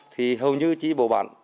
thì hầu như chỉ bổ bản